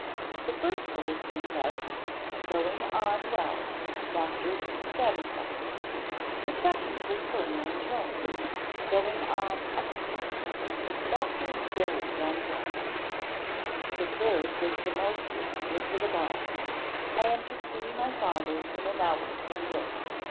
The first bulletin said, "Going on well. Doctors satisfied." The second was firmer in tone. "Going on excellently. Doctors very sanguine." The third was the most explicit of all. "I am to see my father in an hour from this.